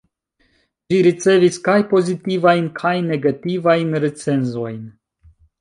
Ĝi ricevis kaj pozitivajn kaj negativajn recenzojn.